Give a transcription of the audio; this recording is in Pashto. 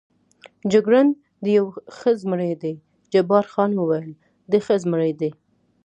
جګړن: دی یو ښه زمري دی، جبار خان وویل: دی ښه زمري دی.